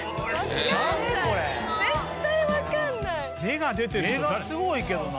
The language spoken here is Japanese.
目がすごいけどな。